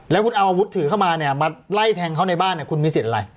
แล้วคุณเอาอาวุธถือเข้ามาเนี่ยมาไล่แทงเขาในบ้านเนี่ยคุณมีสิทธิ์อะไร